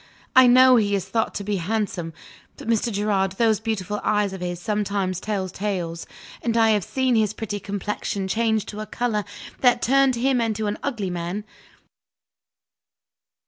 I know he is thought to be handsome but, Mr. Gerard, those beautiful eyes of his sometimes tell tales; and I have seen his pretty complexion change to a color that turned him into an ugly man.